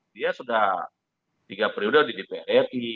dia sudah tiga periode sudah di dpp pan